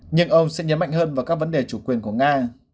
nhưng ông sẽ nhấn mạnh hơn vào các vấn đề chủ quyền của nga